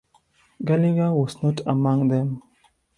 Gallagher was not among them.